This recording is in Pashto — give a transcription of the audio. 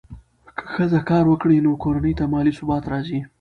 که ښځه کار وکړي، نو کورنۍ ته مالي ثبات راځي.